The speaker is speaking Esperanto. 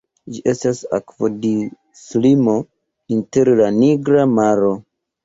Ĝi estas akvodislimo inter la Nigra Maro.